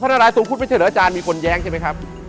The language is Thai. พระนรายทรงครุฏมีคนแย้งใช่ไหมครับ